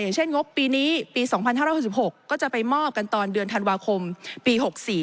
อย่างเช่นงบปีนี้ปี๒๕๖๖ก็จะไปมอบกันตอนเดือนธันวาคมปี๖๔